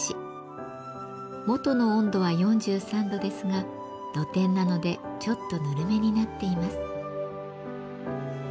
元の温度は４３度ですが露天なのでちょっとぬるめになっています。